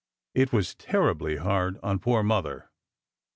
It was terribly hard on poor Mother."